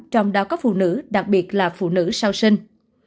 trong đó có phụ nữ đặc biệt là phụ nữ sau sinh